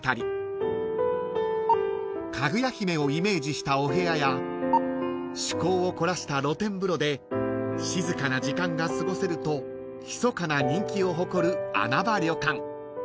［かぐや姫をイメージしたお部屋や趣向を凝らした露天風呂で静かな時間が過ごせるとひそかな人気を誇る穴場旅館］